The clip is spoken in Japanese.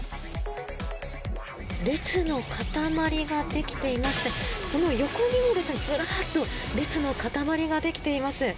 列の塊ができていましてその横にもずらっと列の塊ができています。